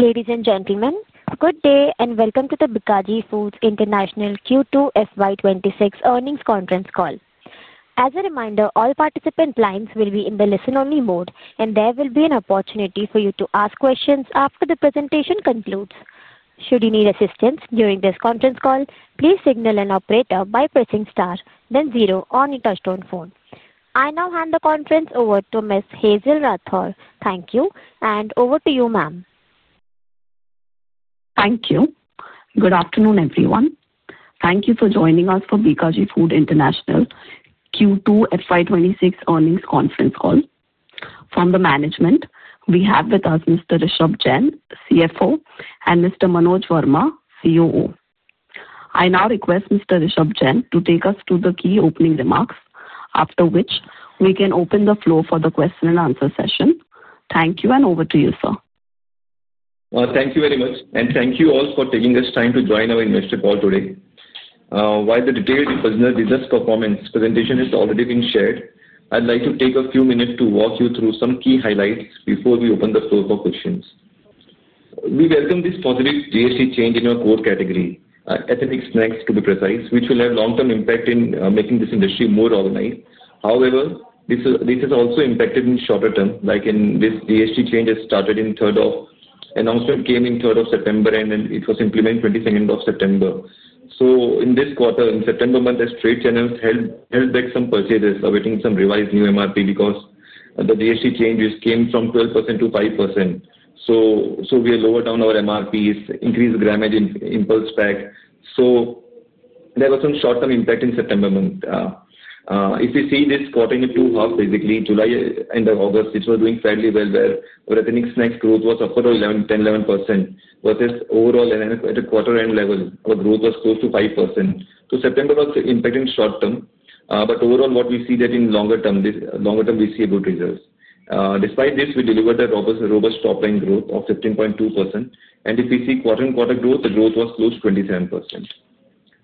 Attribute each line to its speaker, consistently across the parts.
Speaker 1: Ladies and gentlemen, good day and welcome to the Bikaji Foods International Q2 FY 2026 earnings conference call. As a reminder, all participant lines will be in the listen-only mode, and there will be an opportunity for you to ask questions after the presentation concludes. Should you need assistance during this conference call, please signal an operator by pressing star, then zero on your touchstone phone. I now hand the conference over to Ms. Hazel Rathore. Thank you, and over to you, ma'am.
Speaker 2: Thank you. Good afternoon, everyone. Thank you for joining us for Bikaji Foods International Q2 FY 2026 earnings conference call. From the Management, we have with us Mr. Rishabh Jain, CFO, and Mr. Manoj Verma, COO. I now request Mr. Rishabh Jain to take us to the key opening remarks, after which we can open the floor for the question-and-answer session. Thank you, and over to you, sir.
Speaker 3: Thank you very much, and thank you all for taking this time to join our investor call today. While the retail business performance presentation has already been shared, I'd like to take a few minutes to walk you through some key highlights before we open the floor for questions. We welcome this positive GST change in our core category, Ethnic Snacks, to be precise, which will have a long-term impact in making this industry more organized. However, this is also impacted in the shorter term, like in this GST change has started in the third of. Announcement came in the third of September, and then it was implemented on the 22nd of September. In this quarter, in September month, as trade channels held back some purchases, awaiting some revised new MRP because the GST change just came from 12% to 5%. We lowered down our MRPs, increased the grammage Impulse Pack. There was some short-term impact in September month. If you see this quarter in the two halves, basically July and August, it was doing fairly well, where Ethnic Snacks' growth was upward of 10-11% versus overall at a quarter-end level, our growth was close to 5%. September was impacted in the short term, but overall, what we see that in longer term, longer term we see good results. Despite this, we delivered a robust top-line growth of 15.2%. If you see quarter-on-quarter growth, the growth was close to 27%.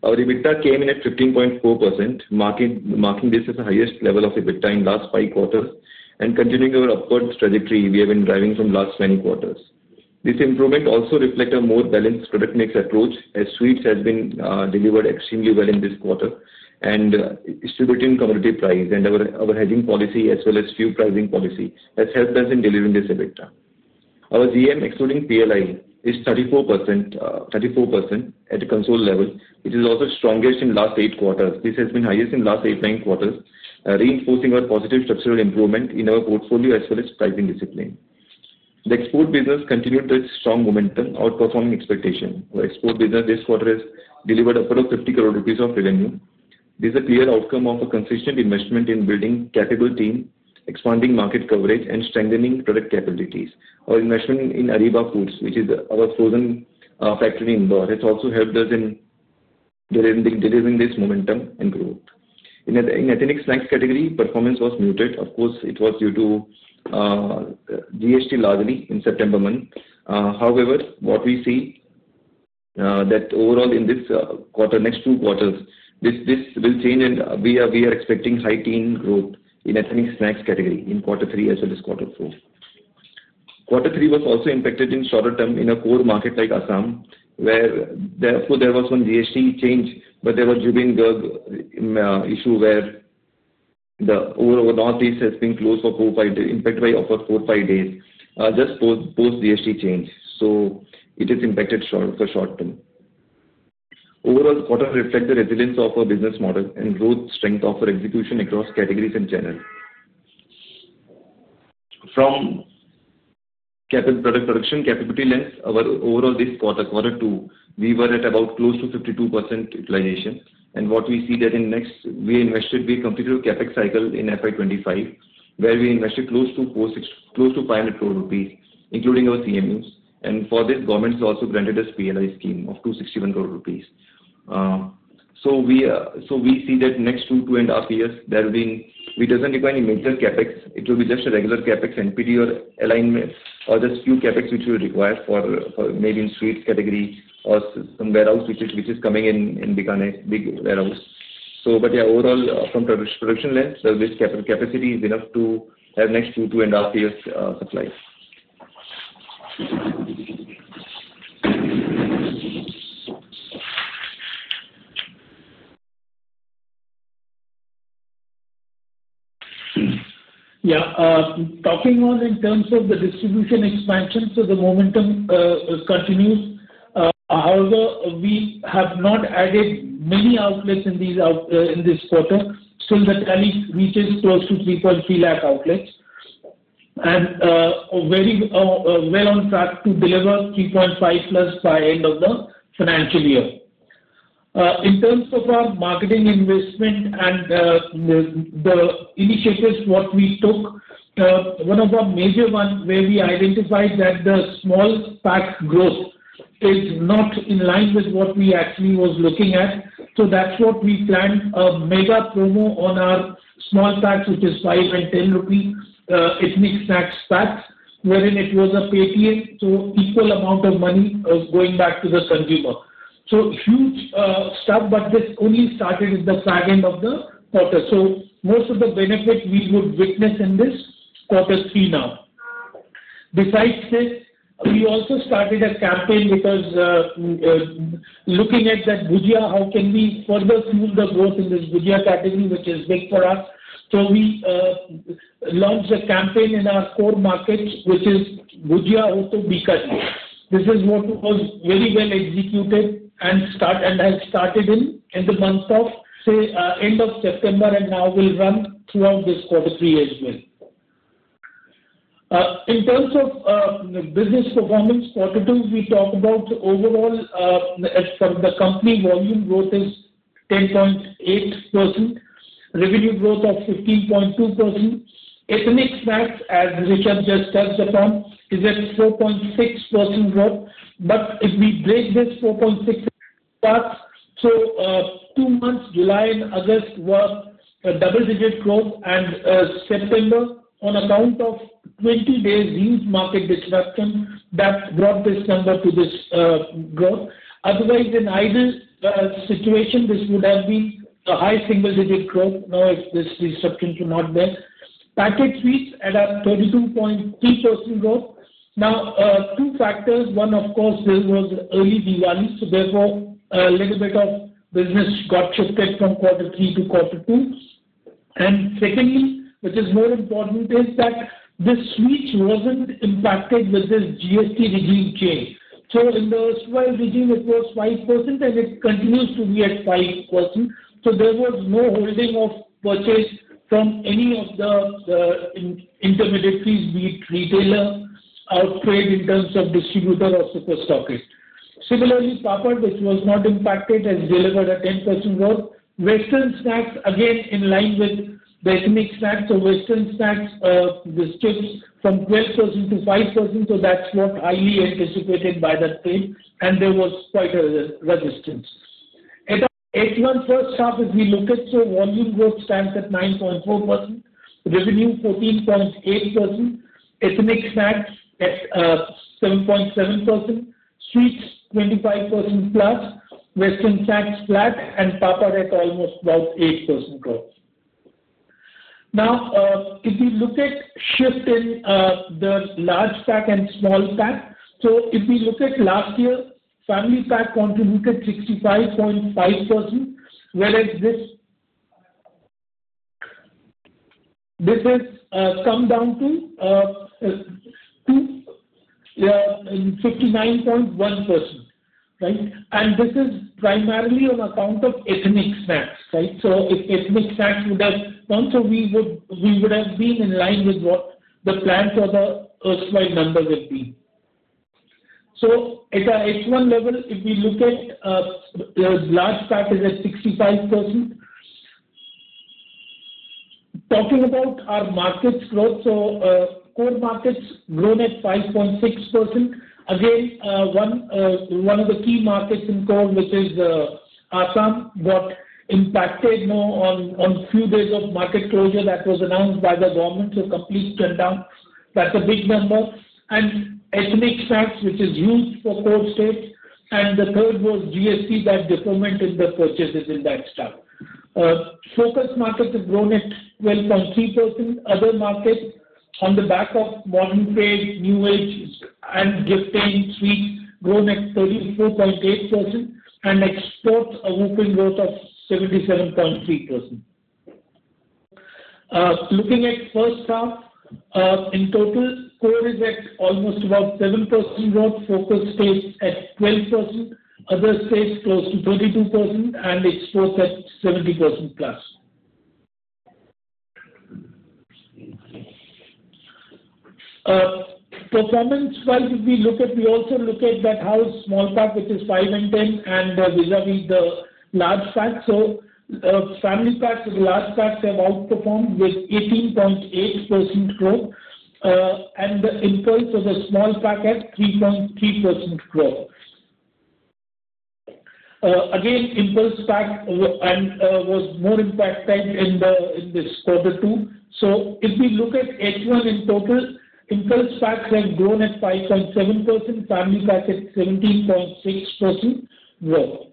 Speaker 3: Our EBITDA came in at 15.4%, marking this as the highest level of EBITDA in the last five quarters, and continuing our upward trajectory we have been driving from the last 20 quarters. This improvement also reflects a more balanced product-mix approach, as sweets have been delivered extremely well in this quarter, and distributing commodity price and our hedging policy as well as few pricing policy has helped us in delivering this EBITDA. Our GM, excluding PLI, is 34% at the console level, which is also strongest in the last eight quarters. This has been the highest in the last eight-nine quarters, reinforcing our positive structural improvement in our portfolio as well as pricing discipline. The export business continued its strong momentum, outperforming expectations. Our export business this quarter has delivered upward of 50 crore rupees of revenue. This is a clear outcome of a consistent investment in building a capable team, expanding market coverage, and strengthening product capabilities. Our investment in Ariba Foods, which is our frozen factory in Bharat, has also helped us in delivering this momentum and growth. In the Ethnic Snacks category, performance was muted. Of course, it was due to GST lagging in September month. However, what we see that overall in this quarter, next two quarters, this will change, and we are expecting high-teen growth in the Ethnic Snacks category in quarter three as well as quarter four. Quarter three was also impacted in the shorter term in a core market like Assam, where therefore there was some GST change, but there was Zubeen Garg issue where the overall Northeast has been closed for four-five days, impacted by upward four-five days just post-GST change. It is impacted for the short term. Overall, the quarter reflects the resilience of our business model and growth strength of our execution across categories and channels. From product production, capability length, overall this quarter, quarter two, we were at about close to 52% utilization. What we see is that in the next, we invested, we completed a CapEx cycle in FY 2025, where we invested close to 500 crore rupees, including our CMUs. For this, government has also granted us PLI scheme of 261 crore rupees. We see that next two-two and a half years, we do not require any major CapEx. It will be just a regular CapEx, NPD, or alignment, or just a few CapEx which we require for maybe in sweets category or some warehouse which is coming in and becoming a big warehouse. Yeah, overall, from production length, the capacity is enough to have next two to two and a half years' supply.
Speaker 4: Yeah. Talking on in terms of the distribution expansion, the momentum continues. However, we have not added many outlets in this quarter. Still, the tally reaches close to 3.20 lakh outlets and are very well on track to deliver 3.5+ lakhplus by end of the financial year. In terms of our marketing investment and the initiatives, what we took, one of our major ones where we identified that the small pack growth is not in line with what we actually were looking at. That's what we planned, a mega promo on our small packs, which is 5-10 rupees Ethnic Snacks packs, wherein it was a pay tier. Equal amount of money going back to the consumer. Huge stuff, but this only started in the second of the quarter. Most of the benefit we would witness in this quarter three now. Besides this, we also started a campaign because looking at that Gujia, how can we further fuel the growth in this Gujia category, which is big for us. We launched a campaign in our core markets, which is Gujia, [Huttu], Bikaji. This was very well executed and has started in the month of, say, end of September and now will run throughout this quarter three as well. In terms of business performance, quarter two, we talked about overall from the company volume growth is 10.8%, revenue growth of 15.2%. Ethnic Snacks, as Rishabh just touched upon, is at 4.6% growth. If we break this 4.6%, two months, July-August, were double-digit growth, and September, on account of 20 days' huge market disruption, that brought this number to this growth. Otherwise, in either situation, this would have been a high single-digit growth. Now, if this disruption could not bear, packet sweets add up 32.3% growth. Now, two factors. One, of course, there was early Diwali, so therefore a little bit of business got shifted from quarter three to quarter two. And secondly, which is more important, is that this sweets was not impacted with this GST regime change. So in the usual regime, it was 5%, and it continues to be at 5%. So there was no holding of purchase from any of the intermediaries, be it retailer, outfit in terms of distributor or superstock. Similarly, papad, which was not impacted, has delivered a 10% growth. Western Snacks, again, in line with the Ethnic Snacks. So Western Snacks, the chips from 12% to 5%. That was highly anticipated by the trade, and there was quite a resistance. At one first half, if we look at, so volume growth stands at 9.4%, revenue 14.8%, Ethnic Snacks 7.7%, sweets 25%+, Western Snacks flat, and papad at almost about 8% growth. Now, if we look at shift in the large pack and small pack, so if we look at last year, family pack contributed 65.5%, whereas this has come down to 59.1%. And this is primarily on account of Ethnic Snacks. So if Ethnic Snacks would have gone, so we would have been in line with what the plan for the usual numbers have been. At the H1 level, if we look at large pack, it is at 65%. Talking about our markets growth, core markets grown at 5.6%. Again, one of the key markets in core, which is Assam, got impacted now on a few days of market closure that was announced by the government, so complete turndown. That is a big number. And Ethnic Snacks, which is huge for core states. The third was GST, that deferment in the purchases in that stuff. Focus markets have grown at 12.3%. Other markets, on the back of modern trade, new age, and gifting, sweets grown at 34.8%, and exports a whooping growth of 77.3%. Looking at first half, in total, core is at almost about 7% growth, focus states at 12%, other states close to 32%, and exports at 70%+. Performance-wise, if we look at, we also look at that house small pack, which is 5% and 10%, and vis-à-vis the large pack. Family packs and large packs have outperformed with 18.8% growth, and the impulse of the small pack at 3.3% growth. Again, Impulse Pack was more impacted in this quarter two. If we look at H1 in total, Impulse Packs have grown at 5.7%, family pack at 17.6% growth.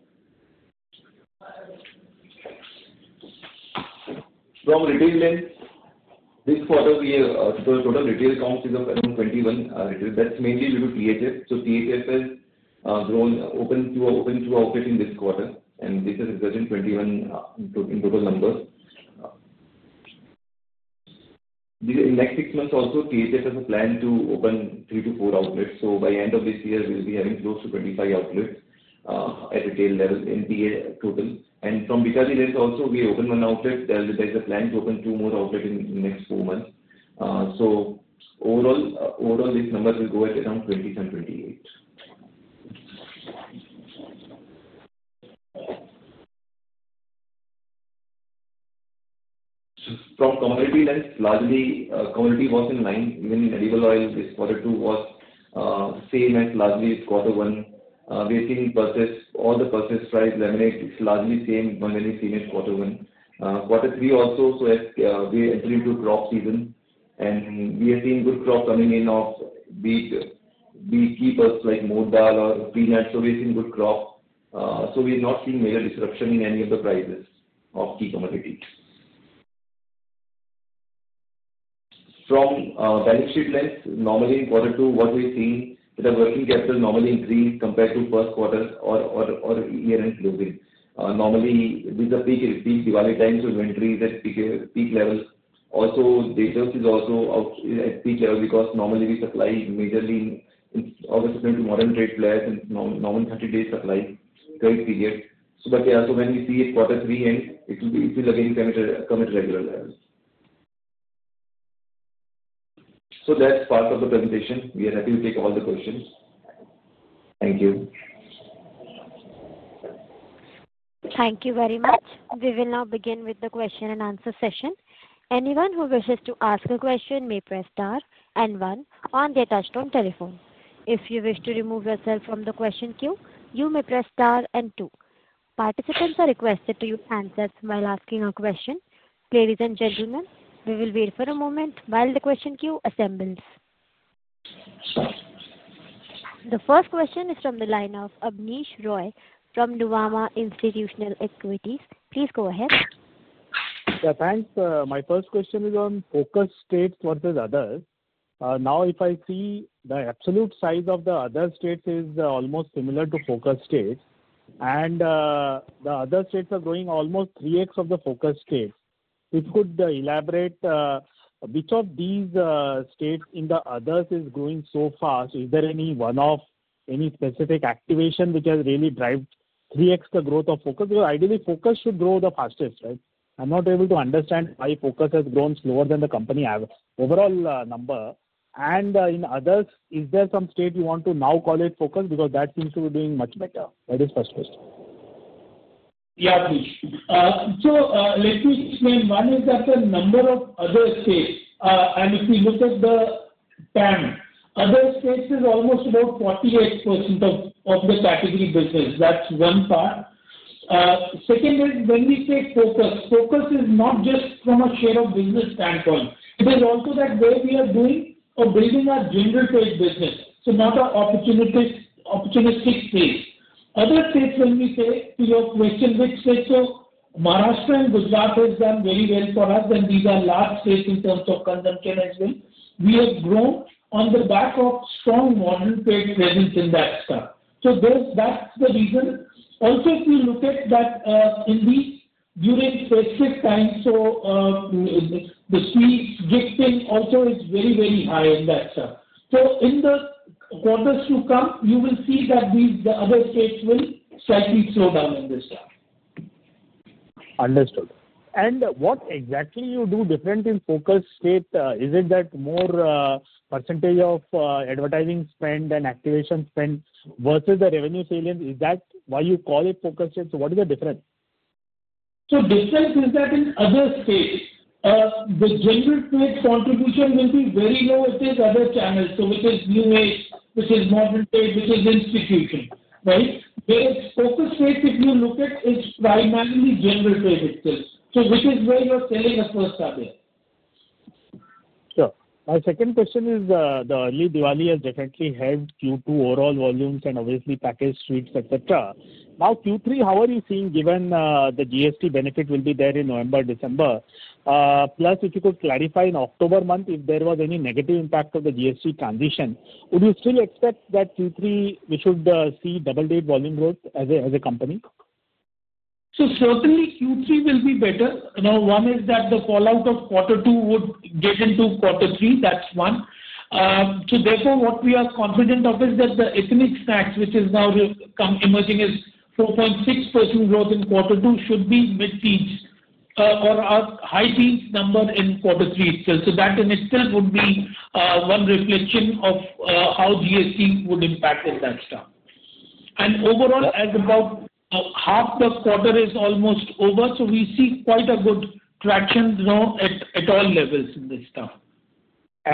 Speaker 3: From retail length, this quarter, the total retail count is of around 21. That is mainly due to THF. THF has opened two outlets in this quarter, and this has resulted in 21 in total numbers. In the next six months also, THF has a plan to open three-four outlets. By the end of this year, we will be having close to 25 outlets at retail level in total, and from Bikaji lens also, we opened one outlet. There is a plan to open two more outlets in the next four months. Overall, these numbers will go at around 20-28. From commodity length, largely commodity was in line. Even in edible oil, this quarter two was same as largely quarter one. We have seen purchase, all the purchase price, lemonade, it is largely same when we have seen it quarter one. Quarter three also, we entered into crop season, and we have seen good crop coming in of wheat, bee keepers like moor dal or peanut. We have seen good crop. We have not seen major disruption in any of the prices of key commodities. From balance sheet length, normally in quarter two, what we have seen, the working capital normally increased compared to first quarter or year-end closing. Normally, these are peak Diwali times, so inventories at peak level. Also, data is also at peak level because normally we supply majorly in order to modern trade players and normal 30-day supply period. When we see it quarter three end, it will again come at regular levels. That is part of the presentation. We are happy to take all the questions. Thank you.
Speaker 1: Thank you very much. We will now begin with the question-and-answer session. Anyone who wishes to ask a question may press star and one on their touchstone telephone. If you wish to remove yourself from the question queue, you may press star and two. Participants are requested to answer while asking a question. Ladies and gentlemen, we will wait for a moment while the question queue assembles. The first question is from the line of Abneesh Roy from Nuvama Institutional Equities. Please go ahead.
Speaker 5: Yeah, thanks. My first question is on focus states versus others. Now, if I see the absolute size of the other states is almost similar to focus states, and the other states are growing almost 3 x of the focus states, if you could elaborate, which of these states in the others is growing so fast? Is there any one-off, any specific activation which has really drived 3 x the growth of focus? Because ideally, focus should grow the fastest, right? I'm not able to understand why focus has grown slower than the company overall number. In others, is there some state you want to now call it focus because that seems to be doing much better? That is the first question.
Speaker 4: Yeah, Abneesh. Let me explain. One is that the number of other states, and if we look at the PAM, other states is almost about 48% of the category business. That is one part. Second is when we say focus, focus is not just from a share of business standpoint. It is also the way we are doing or building our general trade business, not our opportunistic trades. Other states, when we say to your question, which states? Maharashtra and Gujarat have done very well for us, and these are large states in terms of consumption as well. We have grown on the back of strong modern trade presence in that. That is the reason. Also, if you look at that during specific times, the sweets, gifting also is very, very high in that. In the quarters to come, you will see that the other states will slightly slow down in this stuff.
Speaker 5: Understood. What exactly do you do different in focus state? Is it that more percentage of advertising spend and activation spend versus the revenue salience? Is that why you call it focus state? What is the difference?
Speaker 4: Difference is that in other states, the general trade contribution will be very low. It is other channels, which is new age, which is modern trade, which is institution, right? Whereas focus state, if you look at, is primarily general trade itself. Which is where you're selling a first order.
Speaker 5: Sure. My second question is the early Diwali has definitely helped Q2 overall volumes and obviously packaged sweets, etc. Now, Q3, how are you seeing given the GST benefit will be there in November-December? Plus, if you could clarify in October month, if there was any negative impact of the GST transition, would you still expect that Q3 we should see double-digit volume growth as a company?
Speaker 4: Certainly, Q3 will be better. Now, one is that the fallout of quarter two would get into quarter three. That is one. Therefore, what we are confident of is that the Ethnic Snacks, which is now emerging as 4.6% growth in quarter two, should be mid-teens or high-teens number in quarter three itself. That in itself would be one reflection of how GST would impact in that stuff. Overall, as about half the quarter is almost over, we see quite a good traction now at all levels in this stuff.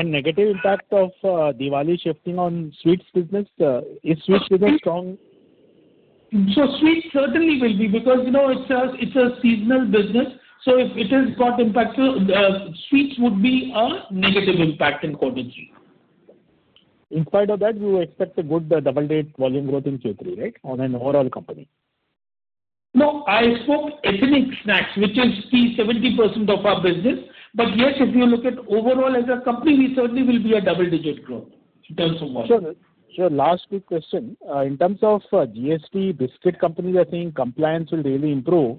Speaker 5: Negative impact of Diwali shifting on sweets business? Is sweets business strong?
Speaker 4: Sweets certainly will be because it's a seasonal business. So if it has got impact, sweets would be a negative impact in quarter three.
Speaker 5: In spite of that, you expect a good double-digit volume growth in Q3, right, on an overall company?
Speaker 4: No, I spoke Ethnic Snacks, which is 70% of our business. Yes, if you look at overall as a company, we certainly will be a double-digit growth in terms of volume.
Speaker 5: Sure. Last quick question. In terms of GST, biscuit companies are saying compliance will really improve.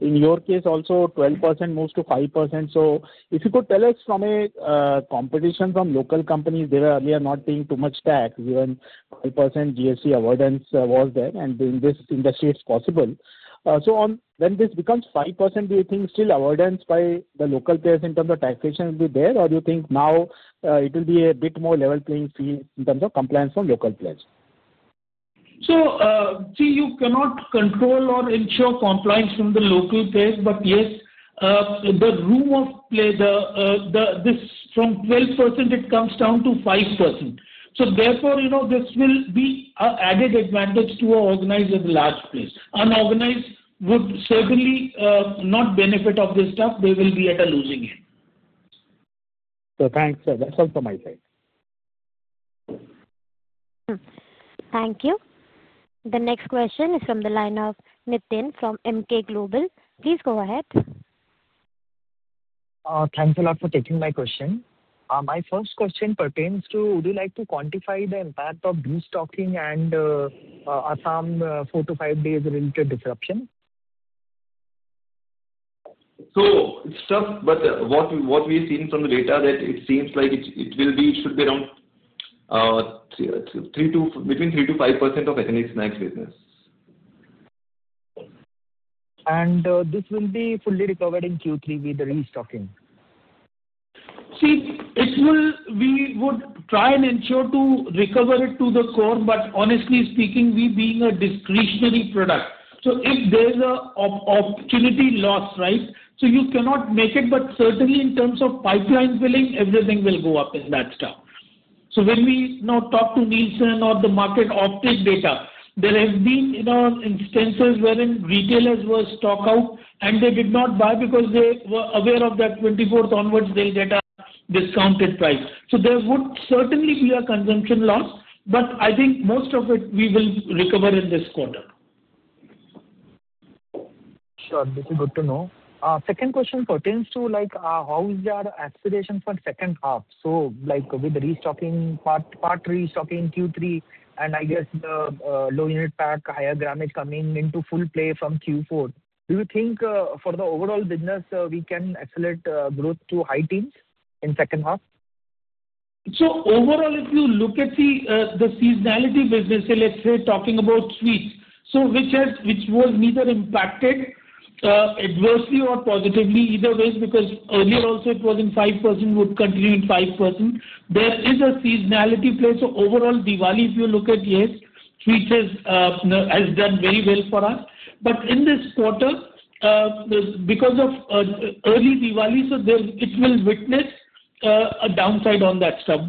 Speaker 5: In your case, also 12% moves to 5%. If you could tell us from a competition from local companies, they were earlier not paying too much tax, even 5% GST avoidance was there, and in this industry, it is possible. When this becomes 5%, do you think still avoidance by the local players in terms of taxation will be there, or do you think now it will be a bit more level playing field in terms of compliance from local players?
Speaker 4: See, you cannot control or ensure compliance from the local players, but yes, the room of play, this from 12% it comes down to 5%. Therefore, this will be an added advantage to organized at large place. Unorganized would certainly not benefit of this stuff. They will be at a losing end.
Speaker 5: Thanks. That's all from my side.
Speaker 1: Thank you. The next question is from the line of Nithin from Emkay Global. Please go ahead.
Speaker 6: Thanks a lot for taking my question. My first question pertains to, would you like to quantify the impact of de-stocking and Assam four-five days related disruption?
Speaker 3: It's tough, but what we've seen from the data is that it seems like it should be around 3%-5% of Ethnic Snacks business.
Speaker 6: This will be fully recovered in Q3 with the restocking?
Speaker 4: See, we would try and ensure to recover it to the core, but honestly speaking, we being a discretionary product. If there's an opportunity loss, right, you cannot make it, but certainly in terms of pipeline filling, everything will go up in that stuff. When we now talk to Nielsen or the market optic data, there have been instances wherein retailers were stocked out, and they did not buy because they were aware that 24th onwards they'll get a discounted price. There would certainly be a consumption loss, but I think most of it we will recover in this quarter.
Speaker 6: Sure. This is good to know. Second question pertains to how is the accentuation for second half? So with the restocking part, part restocking Q3, and I guess the low-unit pack, higher grammage coming into full play from Q4, do you think for the overall business we can accelerate growth to high teens in second half?
Speaker 4: Overall, if you look at the seasonality business, let's say talking about sweets, which was neither impacted adversely or positively either way because earlier also it was in 5%, would continue in 5%. There is a seasonality play. Overall, Diwali, if you look at, yes, sweets has done very well for us. In this quarter, because of early Diwali, it will witness a downside on that stuff.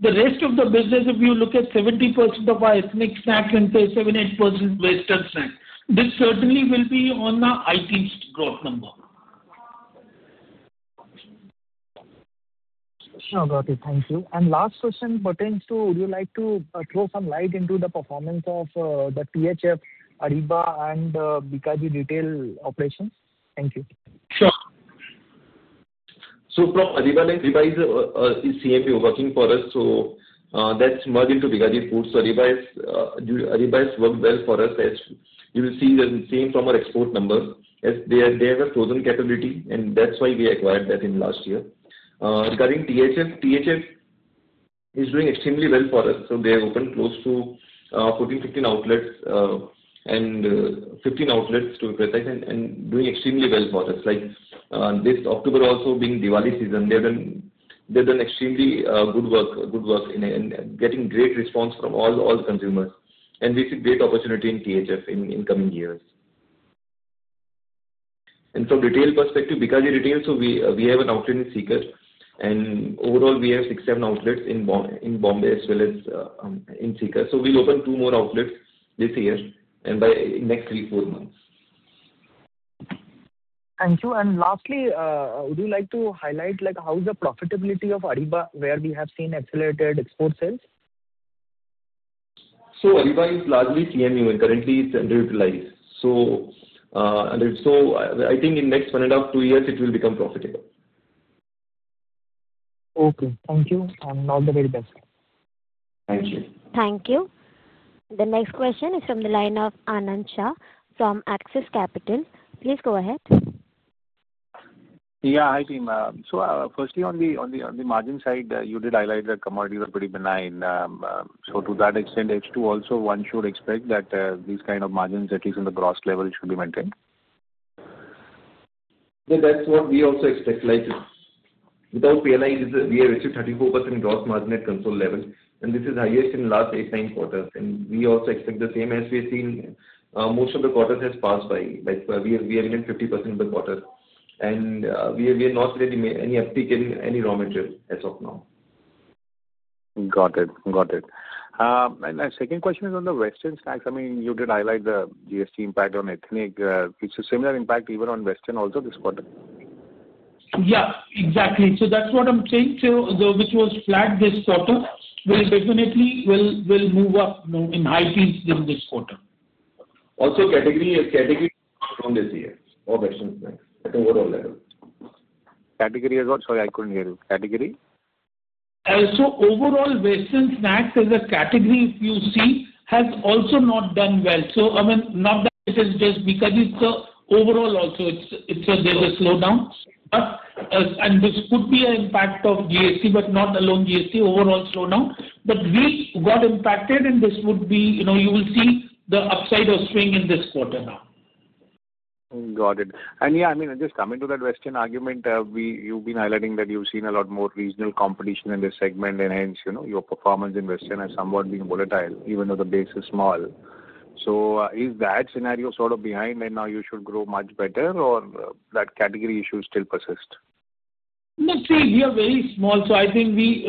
Speaker 4: The rest of the business, if you look at 70% of our Ethnic Snacks and say 78% Western Snacks, this certainly will be on the high teens growth number.
Speaker 6: Sure, Robert, thank you. Last question pertains to, would you like to throw some light into the performance of the THF, Ariba, and Bikaji retail operations? Thank you.
Speaker 4: Sure.
Speaker 3: From Ariba, is [CMPO] working for us? That is merged into Bikaji Foods. Ariba has worked well for us. As you will see, the same from our export numbers, they have a frozen capability, and that is why we acquired that last year. Regarding THF, THF is doing extremely well for us. They have opened close to 14-15 outlets, and 15 outlets to be precise, and doing extremely well for us. This October also being Diwali season, they have done extremely good work in getting great response from all consumers. We see great opportunity in THF in coming years. From a retail perspective, Bikaji retail, we have an outlet in Sikar, and overall we have six-seven outlets in Bombay as well as in Sikar. We will open two more outlets this year and by the next three-four months.
Speaker 6: Thank you. Lastly, would you like to highlight how is the profitability of Ariba where we have seen accelerated export sales?
Speaker 3: Ariba is largely CMU and currently it's underutilized. I think in the next one and a half-two years, it will become profitable.
Speaker 6: Okay. Thank you. All the very best.
Speaker 3: Thank you.
Speaker 1: Thank you. The next question is from the line of Anansha from Axis Capital. Please go ahead.
Speaker 7: Yeah, hi, Team. Firstly, on the margin side, you did highlight that commodities are pretty benign. To that extent, H2 also one should expect that these kind of margins, at least in the gross level, should be maintained.
Speaker 3: Yeah, that's what we also expect. Without PLI, we have achieved 34% gross margin at console level, and this is highest in the last eight, nine quarters. We also expect the same as we have seen most of the quarters has passed by. We have made 50% of the quarter, and we have not made any uptick in any raw material as of now.
Speaker 7: Got it. Got it. My second question is on the Western Snacks. I mean, you did highlight the GST impact on ethnic. It is a similar impact even on Western also this quarter.
Speaker 4: Yeah, exactly. That is what I am saying, which was flat this quarter, will definitely move up in high teens in this quarter.
Speaker 3: Also, category is down this year for Western Snacks at overall level.
Speaker 7: Category as well? Sorry, I couldn't hear you. Category?
Speaker 4: Overall, Western Snacks as a category, if you see, has also not done well. I mean, not that it is just because it is overall also, there is a slowdown. This could be an impact of GST, but not alone GST, overall slowdown. We got impacted, and you will see the upside of swing in this quarter now.
Speaker 7: Got it. Yeah, I mean, just coming to that Western argument, you've been highlighting that you've seen a lot more regional competition in this segment, and hence your performance in Western has somewhat been volatile even though the base is small. Is that scenario sort of behind, and now you should grow much better, or does that category issue still persist?
Speaker 4: No, see, we are very small, so I think the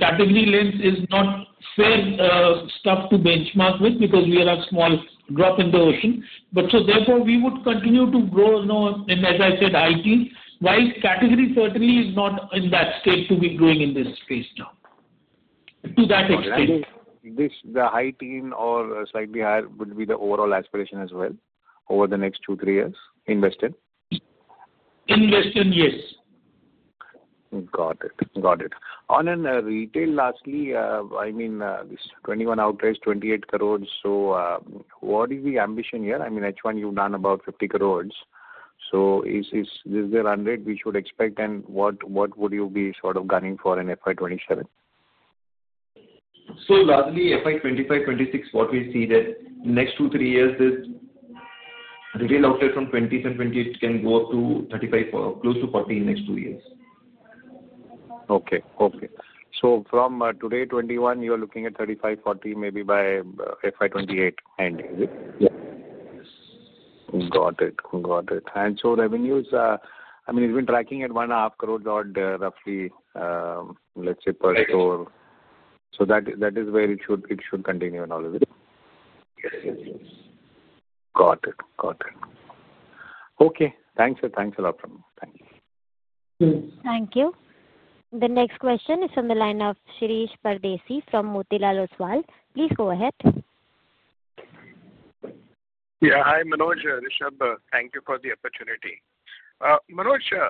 Speaker 4: category lens is not fair stuff to benchmark with because we are a small drop in the ocean. Therefore, we would continue to grow, and as I said, high teens, while category certainly is not in that state to be growing in this space now. To that extent.
Speaker 7: The high teen or slightly higher would be the overall aspiration as well over the next two-three years in Western?
Speaker 4: In Western, yes.
Speaker 7: Got it. Got it. On retail lastly, I mean, 21 outlets, 28 crore. What is the ambition here? I mean, H1, you have done about 50 crore. Is there INR 100 crore we should expect, and what would you be sort of gunning for in FY 2027?
Speaker 3: Largely FY 2025-FY 2026, what we see is that next two, three years, this retail outlet from 20s-28s can go up to 35, close to 40 in next two years.
Speaker 7: Okay. Okay. So from today, 21, you are looking at 35-40 maybe by FY 2028 end, is it?
Speaker 3: Yes.
Speaker 7: Got it. Got it. I mean, you've been tracking at one and a half crore odd roughly, let's say per store. That is where it should continue and all of it?
Speaker 3: Yes.
Speaker 7: Got it. Got it. Okay. Thanks. Thanks a lot from me. Thank you.
Speaker 1: Thank you. The next question is from the line of Shirish Pardeshi from Motilal Oswal. Please go ahead.
Speaker 8: Yeah. Hi, Manoj, Rishabh. Thank you for the opportunity. Manoj, I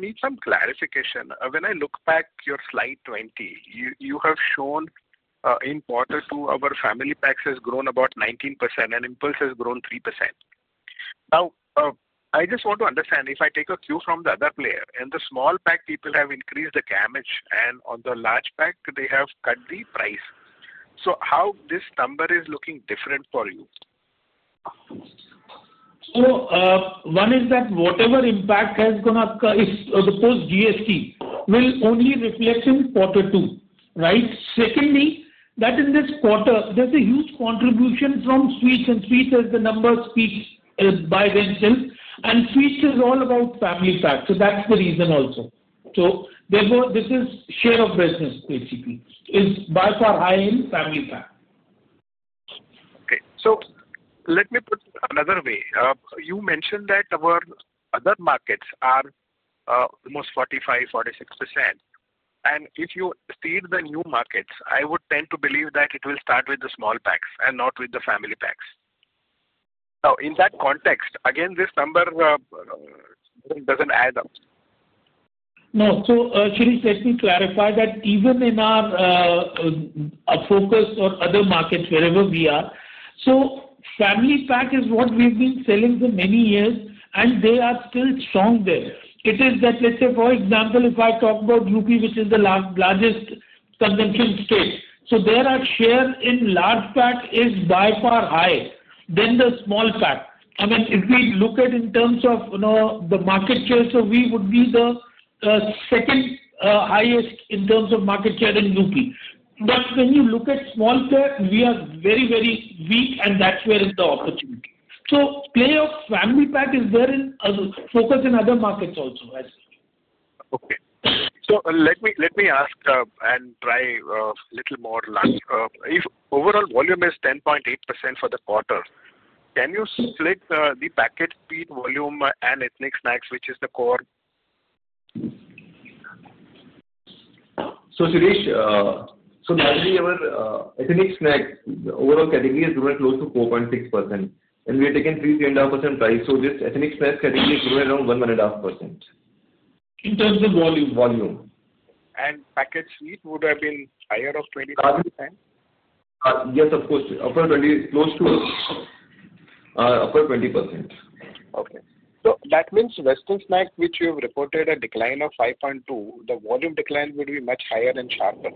Speaker 8: need some clarification. When I look back at your slide 20, you have shown in quarter two, our family packs have grown about 19%, and impulse has grown 3%. Now, I just want to understand, if I take a cue from the other player, and the small pack people have increased the grammage, and on the large pack, they have cut the price. How is this number looking different for you?
Speaker 4: One is that whatever impact has gone up, if the post GST will only reflect in quarter two, right? Secondly, that in this quarter, there's a huge contribution from sweets, and sweets as the numbers speak by themselves. And sweets is all about family pack. That's the reason also. This share of business, basically, is by far high in family pack.
Speaker 8: Okay. Let me put it another way. You mentioned that our other markets are almost 45%-46%. If you see the new markets, I would tend to believe that it will start with the small packs and not with the family packs. In that context, again, this number does not add up.
Speaker 4: No. Shirish, let me clarify that even in our focus or other markets, wherever we are, family pack is what we've been selling for many years, and they are still strong there. It is that, let's say, for example, if I talk about UP, which is the largest consumption state, there are shares in large pack is by far higher than the small pack. I mean, if we look at in terms of the market share, we would be the second highest in terms of market share in UP. When you look at small pack, we are very, very weak, and that's where is the opportunity. Play of family pack is there in focus in other markets also, as well.
Speaker 8: Okay. So let me ask and try a little more lunch. If overall volume is 10.8% for the quarter, can you split the packet sweet volume and Ethnic Snacks, which is the core?
Speaker 3: Shirish,
Speaker 8: So largely our Ethnic Snack, the overall category has grown close to 4.6%. We have taken 3%-3.5% price. This Ethnic Snack category has grown around 1.5%.
Speaker 4: In terms of volume?
Speaker 8: Volume. Packet sweets would have been higher of 20%?
Speaker 3: Yes, of course. Upper 20, close to upper 20%.
Speaker 8: Okay. So that means Western Snacks, which you have reported a decline of 5.2%, the volume decline would be much higher and sharper.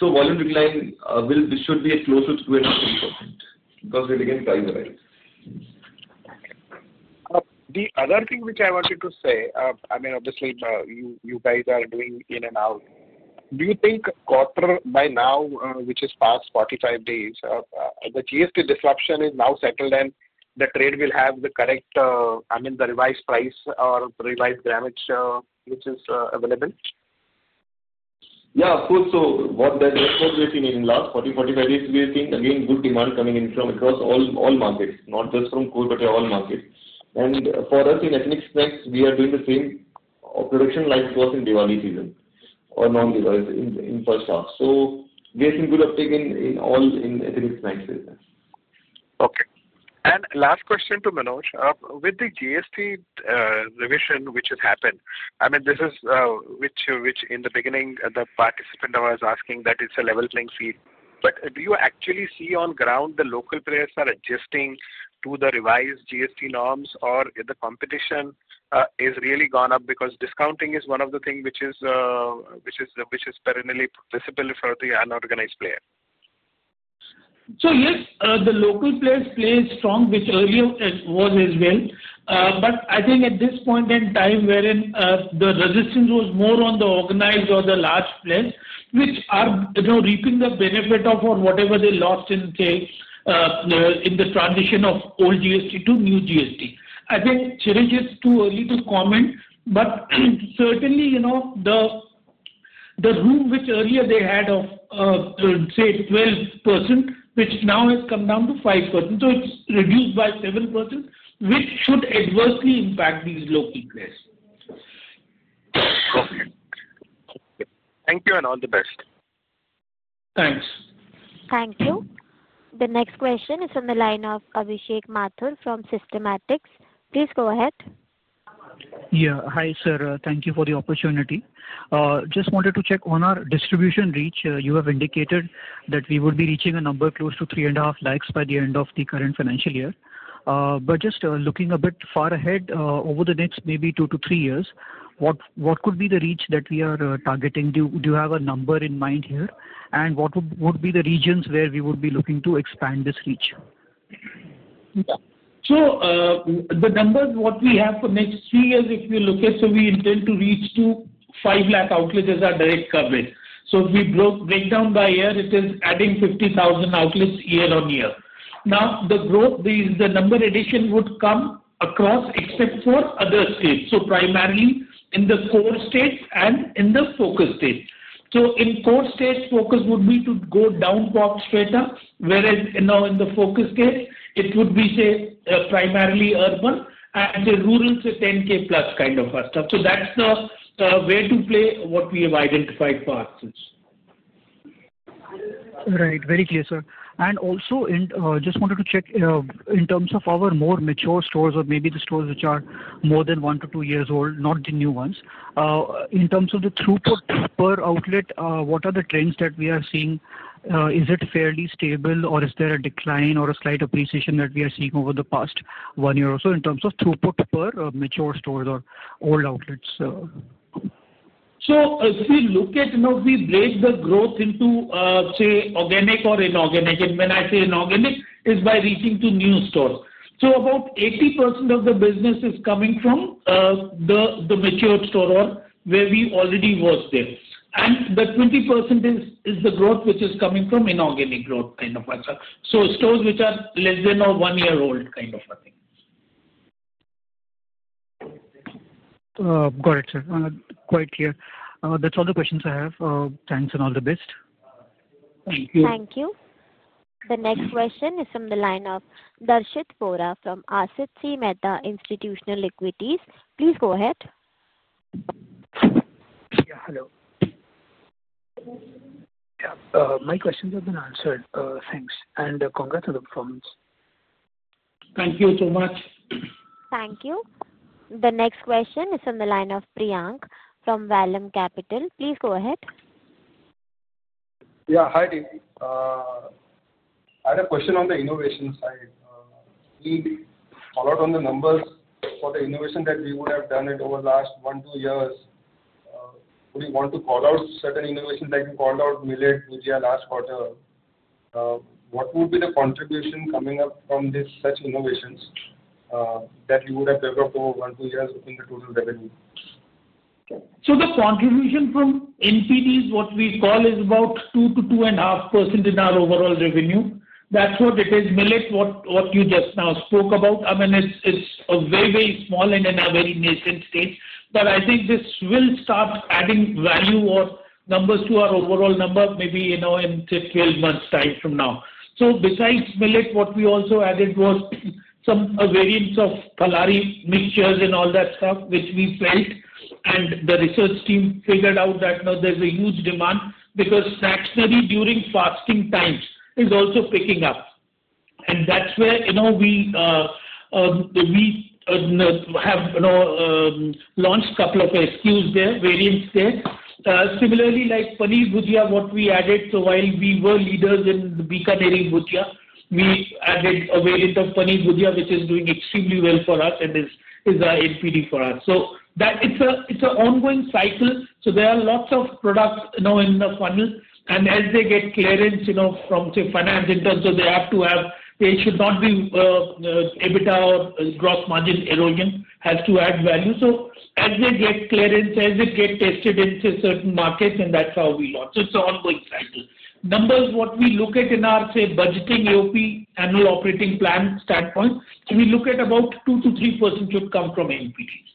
Speaker 3: Volume decline should be close to 2.3% because we're again price-wise.
Speaker 8: The other thing which I wanted to say, I mean, obviously, you guys are doing in and out. Do you think quarter by now, which is past 45 days, the GST disruption is now settled, and the trade will have the correct, I mean, the revised price or revised grammage, which is available?
Speaker 3: Yeah, of course. What we have seen in the last 40-45 days, we are seeing again good demand coming in from across all markets, not just from core, but all markets. For us in Ethnic Snacks, we are doing the same production like it was in Diwali season or non-Diwali in first half. We are seeing good uptake in all Ethnic Snacks business.
Speaker 8: Okay. Last question to Manoj. With the GST revision which has happened, I mean, this is which in the beginning, the participant was asking that it's a level playing field. Do you actually see on ground the local players are adjusting to the revised GST norms, or the competition has really gone up because discounting is one of the things which is perennially visible for the unorganized player?
Speaker 4: Yes, the local players play strong, which earlier was as well. I think at this point in time wherein the resistance was more on the organized or the large players, which are reaping the benefit of whatever they lost in, say, in the transition of old GST to new GST. I think Shirish, it's too early to comment, but certainly the room which earlier they had of, say, 12%, which now has come down to 5%. It is reduced by 7%, which should adversely impact these local players.
Speaker 8: Okay. Thank you and all the best.
Speaker 4: Thanks.
Speaker 1: Thank you. The next question is from the line of Abhishek Mathur from Systematix. Please go ahead.
Speaker 9: Yeah. Hi, sir. Thank you for the opportunity. Just wanted to check on our distribution reach. You have indicated that we would be reaching a number close to 350,000 by the end of the current financial year. Just looking a bit far ahead over the next maybe two-three years, what could be the reach that we are targeting? Do you have a number in mind here? What would be the regions where we would be looking to expand this reach?
Speaker 4: The numbers what we have for the next three years, if you look at, we intend to reach five lakh outlets as our direct coverage. If we break down by year, it is adding 50,000 outlets year-on-year. The number addition would come across except for other states. Primarily in the core states and in the focus states. In core states, focus would be to go down, pop straight up, whereas in the focus states, it would be, say, primarily urban and rural to 10,000+ kind of a stuff. That is the way to play what we have identified for ourselves.
Speaker 9: Right. Very clear, sir. Also, just wanted to check in terms of our more mature stores or maybe the stores which are more than one-two years old, not the new ones. In terms of the throughput per outlet, what are the trends that we are seeing? Is it fairly stable, or is there a decline or a slight appreciation that we are seeing over the past one year or so in terms of throughput per mature stores or old outlets?
Speaker 4: As we look at, we break the growth into, say, organic or inorganic. When I say inorganic, it's by reaching to new stores. About 80% of the business is coming from the matured store or where we already was there. The 20% is the growth which is coming from inorganic growth kind of a stuff. Stores which are less than one year old kind of a thing.
Speaker 9: Got it, sir. Quite clear. That's all the questions I have. Thanks and all the best.
Speaker 4: Thank you.
Speaker 1: Thank you. The next question is from the line of Darshit Vora from Asit C Mehta Institutional Equities. Please go ahead.
Speaker 10: Yeah. Hello. Yeah. My questions have been answered. Thanks. And congrats on the performance.
Speaker 4: Thank you so much.
Speaker 1: Thank you. The next question is from the line of Priyank from Vallum Capital. Please go ahead.
Speaker 11: Yeah. Hi, Dave. I have a question on the innovation side. We followed on the numbers for the innovation that we would have done over the last one-two years. We want to call out certain innovations that you called out, Millet Bhujia last quarter. What would be the contribution coming up from such innovations that you would have developed over one-two years in the total revenue?
Speaker 4: The contribution from NPDs, what we call, is about 2%-2.5% in our overall revenue. That's what it is. Millet, what you just now spoke about, I mean, it's way, way small and in a very nascent stage. I think this will start adding value or numbers to our overall number maybe in, say, 12 months' time from now. Besides millet, what we also added was some variants of falahari mixtures and all that stuff, which we felt, and the research team figured out that there's a huge demand because snacks during fasting times is also picking up. That's where we have launched a couple of SKUs there, variants there. Similarly, like Pani Bhujia, what we added, so while we were leaders in Bikaneri Bhujia, we added a variant of Pani Bhujia, which is doing extremely well for us and is an NPD for us. It is an ongoing cycle. There are lots of products in the funnel. As they get clearance from, say, finance in terms of they have to have, they should not be EBITDA or gross margin erosion, has to add value. As they get clearance, as it gets tested in certain markets, that is how we launch. It is an ongoing cycle. Numbers, what we look at in our, say, budgeting AOP standpoint, we look at about 2%-3% should come from NPDs.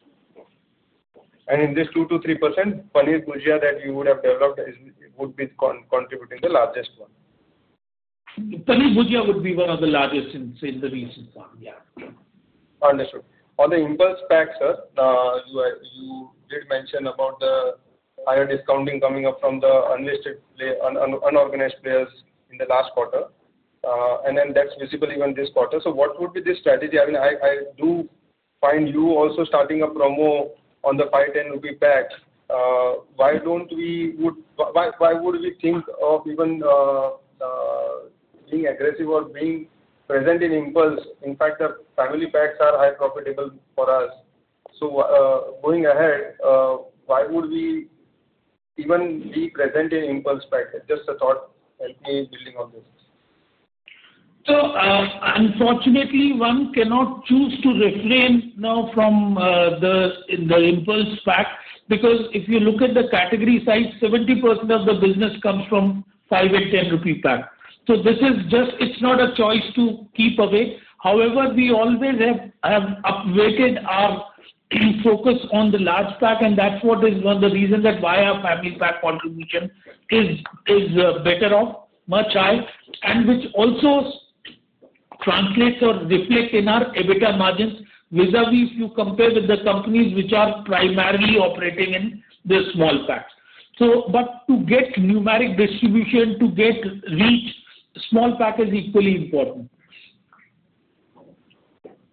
Speaker 11: In this 2%-3%, Pani Bhujia that you would have developed would be contributing the largest one?
Speaker 4: Pani Bhujia would be one of the largest in the recent one. Yeah.
Speaker 11: Understood. On the Impulse Pack, sir, you did mention about the higher discounting coming up from the unlisted unorganized players in the last quarter. That is visible even this quarter. What would be the strategy? I mean, I do find you also starting a promo on the 5-10 rupee pack. Why would we think of even being aggressive or being present in impulse? In fact, the family packs are high profitable for us. Going ahead, why would we even be present in Impulse Pack? Just a thought, help me building on this.
Speaker 4: Unfortunately, one cannot choose to refrain now from the Impulse Pack because if you look at the category side, 70% of the business comes from 5-10 rupee pack. This is just, it's not a choice to keep away. However, we always have updated our focus on the large pack, and that is what is one of the reasons that why our family pack contribution is better off, much higher, and which also translates or reflects in our EBITDA margins vis-à-vis if you compare with the companies which are primarily operating in the small pack. To get numeric distribution, to get reach, small pack is equally important.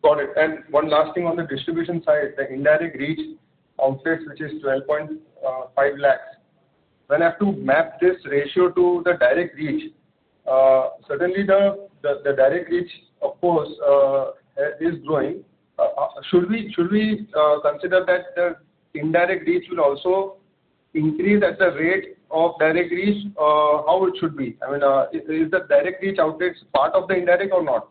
Speaker 11: Got it. One last thing on the distribution side, the indirect reach outlets, which is 1.25 million. When I have to map this ratio to the direct reach, certainly the direct reach, of course, is growing. Should we consider that the indirect reach will also increase at the rate of direct reach? How should it be? I mean, is the direct reach outlets part of the indirect or not?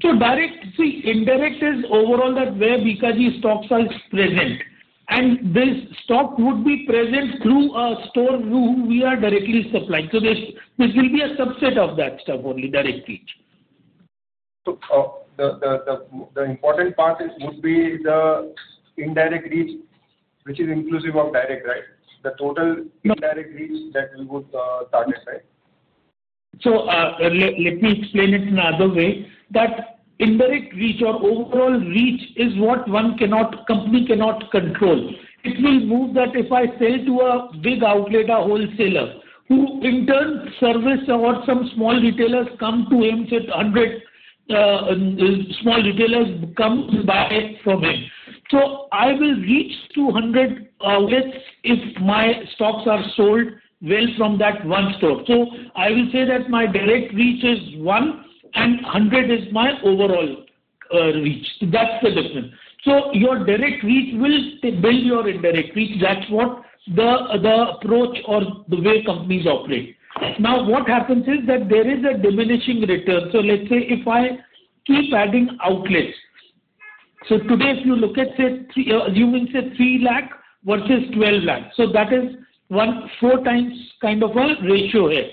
Speaker 4: Direct, see, indirect is overall that where BKG stocks are present. This stock would be present through a store through whom we are directly supplying. This will be a subset of that stuff only, direct reach.
Speaker 11: The important part would be the indirect reach, which is inclusive of direct, right? The total indirect reach that we would target, right?
Speaker 4: Let me explain it in another way. That indirect reach or overall reach is what one company cannot control. It will move that if I sell to a big outlet, a wholesaler, who in turn services or some small retailers come to him, say, 100 small retailers come buy from him. I will reach to 100 outlets if my stocks are sold well from that one store. I will say that my direct reach is 1, and 100 is my overall reach. That is the difference. Your direct reach will build your indirect reach. That is what the approach or the way companies operate. Now, what happens is that there is a diminishing return. Let's say if I keep adding outlets. Today, if you look at, say, assuming, say, 3 lakh versus 12 lakh That is one four times kind of a ratio here.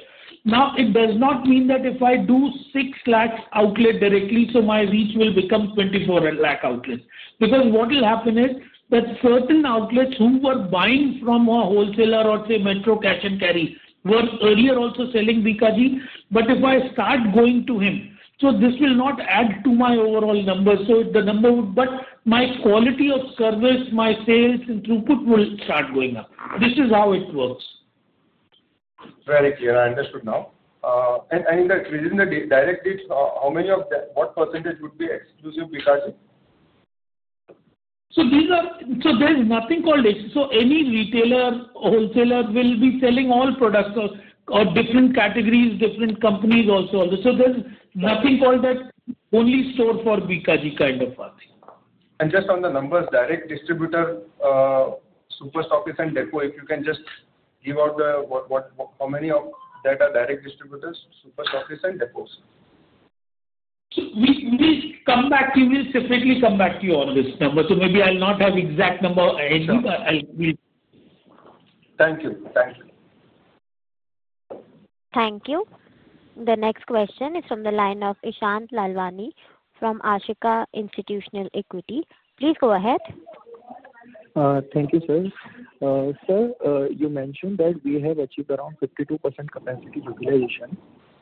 Speaker 4: Now, it does not mean that if I do 6 lakh outlets directly, my reach will become 24 lakh outlets. Because what will happen is that certain outlets who were buying from a wholesaler or, say, Metro Cash and Carry were earlier also selling Bikaji. If I start going to him, this will not add to my overall number. The number would, but my quality of service, my sales, and throughput will start going up. This is how it works.
Speaker 11: Very clear. I understood now. In that reason, the direct reach, how many or what percentage would be exclusive BKG?
Speaker 4: There's nothing called exclusive. Any retailer, wholesaler will be selling all products or different categories, different companies also. There's nothing called that only store for Bikaji kind of a thing.
Speaker 11: Just on the numbers, direct distributor, superstockists, and depots, if you can just give out how many of that are direct distributors, superstockists, and depots?
Speaker 4: We will come back to you. We will separately come back to you on this number. Maybe I will not have exact number.
Speaker 11: Thank you. Thank you.
Speaker 1: Thank you. The next question is from the line of Ishant Lalwani from Ashika Institutional Equity. Please go ahead.
Speaker 12: Thank you, sir. Sir, you mentioned that we have achieved around 52% capacity utilization.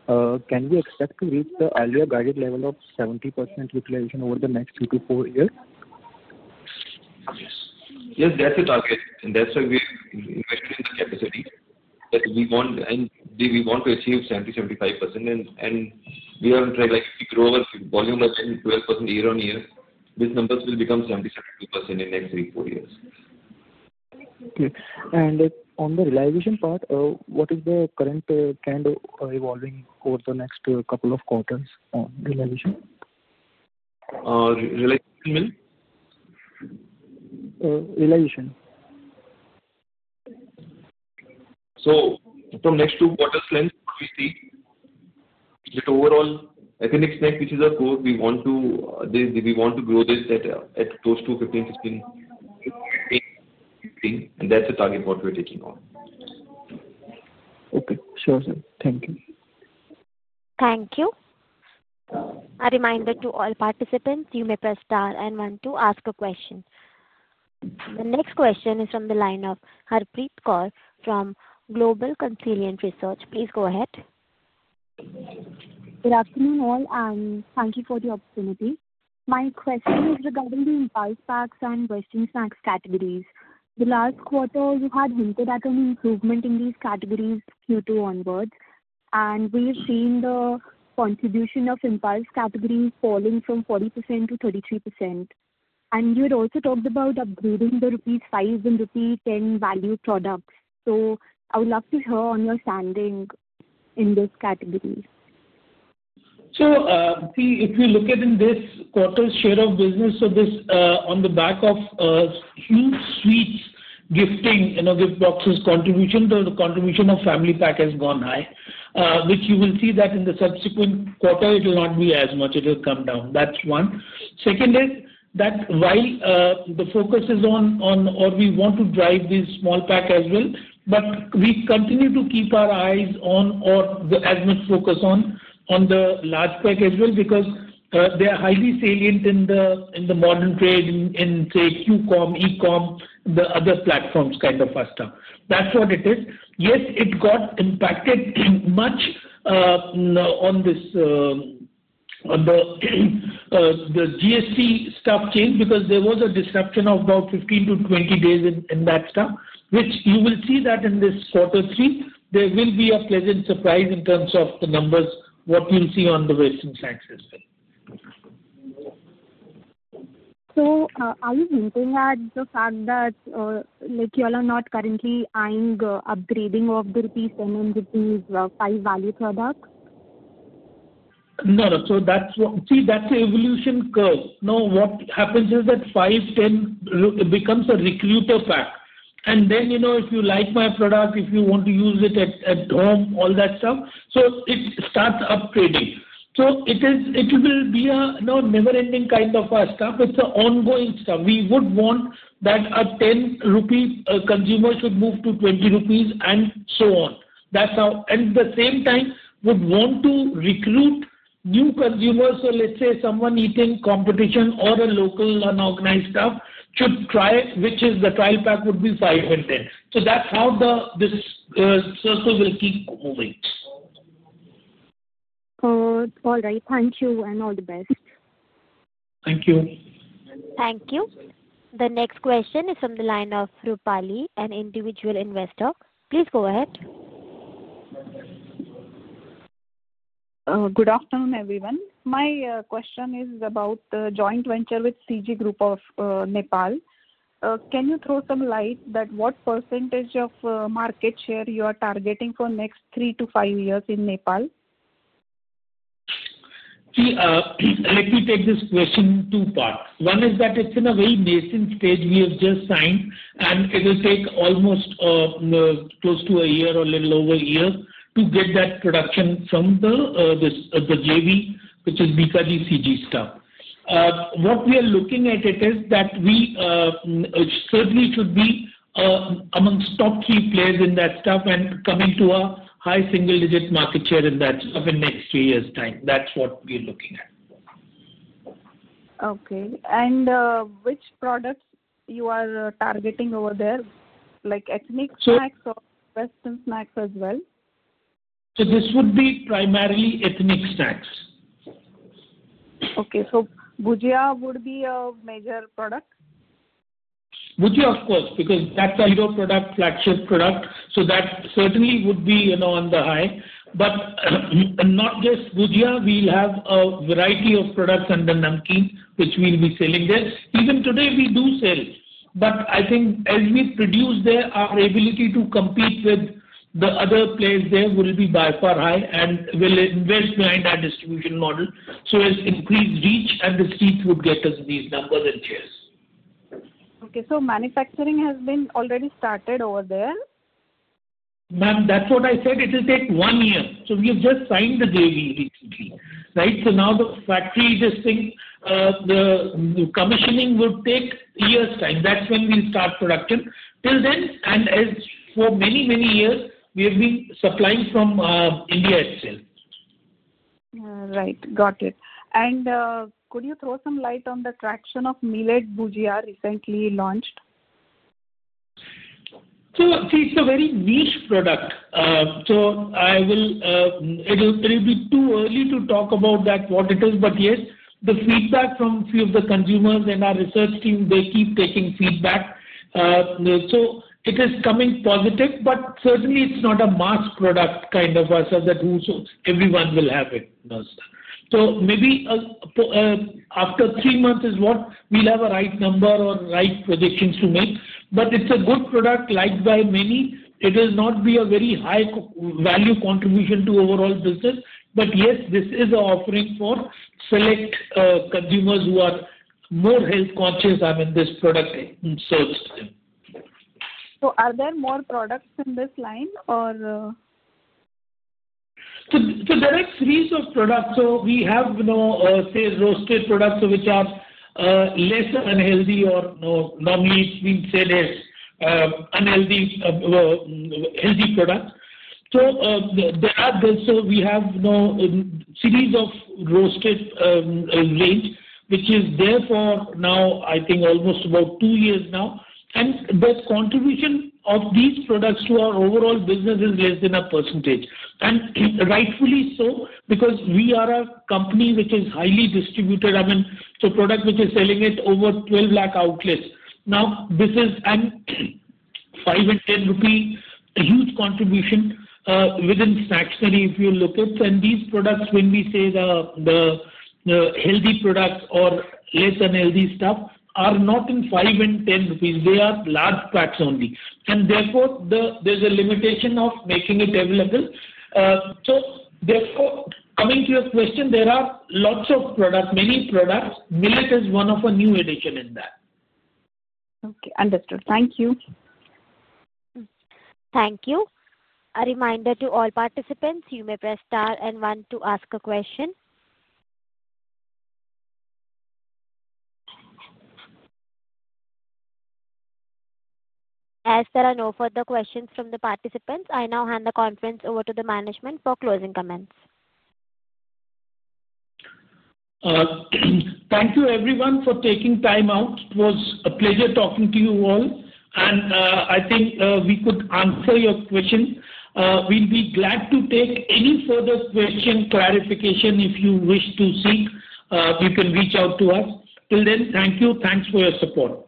Speaker 12: Can we expect to reach the earlier guided level of 70% utilization over the next three to four years?
Speaker 3: Yes. That is the target. That is why we have invested in the capacity that we want to achieve 70%-75%. We are trying to grow our volume by 10%-12% year-on-year. These numbers will become 70%-72% in the next three-four years.
Speaker 12: Thank you. On the realization part, what is the current trend evolving over the next couple of quarters on realization?
Speaker 9: Realization mean?
Speaker 12: Realization.
Speaker 9: From next two quarters' length, we see that overall, I think next week is a growth. We want to grow this at close to 15%-16%. And that's the target what we're taking on.
Speaker 12: Okay. Sure, sir. Thank you.
Speaker 1: Thank you. A reminder to all participants, you may press star and one to ask a question. The next question is from the line of Harpreet Kaur from Global Consilient Research. Please go ahead.
Speaker 13: Good afternoon, all. Thank you for the opportunity. My question is regarding the Impulse Packs and Western Snacks categories. Last quarter, you had hinted at an improvement in these categories Q2 onwards. We have seen the contribution of impulse categories falling from 40% to 33%. You had also talked about upgrading the rupees 5- rupees 10 value products. I would love to hear on your standing in this category.
Speaker 4: If you look at this quarter's share of business, this is on the back of huge sweets, gifting, gift boxes, contribution. The contribution of family pack has gone high, which you will see that in the subsequent quarter, it will not be as much. It will come down. That's one. Second is that while the focus is on, or we want to drive this small pack as well, we continue to keep our eyes on, or as much focus on, the large pack as well because they are highly salient in the modern trade in, say, QCOM, ECOM, the other platforms kind of a stuff. That's what it is. Yes, it got impacted much on the GST stuff change because there was a disruption of about 15 days-20 days in that stuff, which you will see that in this quarter three, there will be a pleasant surprise in terms of the numbers, what you'll see on the Western Snacks as well.
Speaker 13: Are you hinting at the fact that you all are not currently eyeing upgrading of the rupees 10 and rupees 5 value products?
Speaker 4: No, no. See, that's the evolution curve. Now, what happens is that 5-10 becomes a recruiter pack. If you like my product, if you want to use it at home, all that stuff, it starts upgrading. It will be a never-ending kind of a stuff. It's an ongoing stuff. We would want that a 10 rupee consumer should move to 20 rupees and so on. At the same time, we would want to recruit new consumers. Let's say someone eating competition or a local unorganized stuff should try, which is the trial pack, would be 5-10. That's how this circle will keep moving.
Speaker 13: All right. Thank you and all the best.
Speaker 4: Thank you.
Speaker 1: Thank you. The next question is from the line of Rupalli, an individual investor. Please go ahead.
Speaker 14: Good afternoon, everyone. My question is about the joint venture with CG Group of Nepal. Can you throw some light that what percentage of market share you are targeting for next three-five years in Nepal?
Speaker 4: See, let me take this question in two parts. One is that it is in a very nascent stage. We have just signed, and it will take almost close to a year or a little over a year to get that production from the JV, which is Bikaji CG stuff. What we are looking at is that we certainly should be amongst the top three players in that stuff and coming to a high single-digit market share in that stuff in the next three years' time. That is what we are looking at.
Speaker 14: Okay. Which products are you targeting over there? Like Ethnic Snacks or Western Snacks as well?
Speaker 4: This would be primarily Ethnic Snacks.
Speaker 14: Okay. So Bhujia would be a major product?
Speaker 4: Bhujia, of course, because that's our product, flagship product. That certainly would be on the high. Not just Bhujia, we'll have a variety of products under Namkeen, which we'll be selling there. Even today, we do sell. I think as we produce there, our ability to compete with the other players there will be by far high and we'll invest behind our distribution model. As increased reach, and the streets would get us these numbers and shares.
Speaker 14: Okay. So manufacturing has been already started over there?
Speaker 4: Ma'am, that's what I said. It will take one year. We have just signed the JV recently, right? Now the factory listing, the commissioning would take a year's time. That's when we'll start production. Till then, and for many, many years, we have been supplying from India itself.
Speaker 14: Right. Got it. Could you throw some light on the traction of Millet Bhujia recently launched?
Speaker 4: It is a very niche product. It will be too early to talk about that, what it is. Yes, the feedback from a few of the consumers and our research team, they keep taking feedback. It is coming positive, but certainly it is not a mass product kind of a stuff that everyone will have. Maybe after three months is what we will have a right number or right projections to make. It is a good product liked by many. It will not be a very high value contribution to overall business. Yes, this is an offering for select consumers who are more health conscious than this product in search.
Speaker 14: Are there more products in this line or?
Speaker 4: There are a series of products. We have, say, roasted products which are less unhealthy or, normally, we would say there are unhealthy and healthy products. There are this. We have a series of roasted range, which is there for now, I think, almost about two years now. The contribution of these products to our overall business is less than 1%. Rightfully so, because we are a company which is highly distributed. I mean, the product which is selling at over 12 lakh outlets. This is a INR 5-10 INR huge contribution within snacks only, if you look at it. These products, when we say the healthy products or less unhealthy stuff, are not in 5-10 rupees INR. They are large packs only. Therefore, there is a limitation of making it available. Therefore, coming to your question, there are lots of products, many products. Millet is one of a new edition in that.
Speaker 14: Okay. Understood. Thank you.
Speaker 1: Thank you. A reminder to all participants, you may press star and one to ask a question. As there are no further questions from the participants, I now hand the conference over to the Management for closing comments.
Speaker 4: Thank you, everyone, for taking time out. It was a pleasure talking to you all. I think we could answer your questions. We will be glad to take any further question clarification if you wish to seek. You can reach out to us. Till then, thank you. Thanks for your support.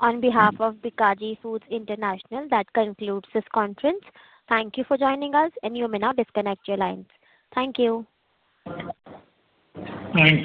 Speaker 1: On behalf of Bikaji Foods International, that concludes this conference. Thank you for joining us, and you may now disconnect your lines. Thank you.
Speaker 4: Thanks.